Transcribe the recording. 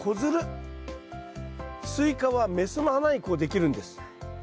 スイカは雌の花にこうできるんです。